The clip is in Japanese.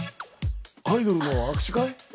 アイドルの握手会？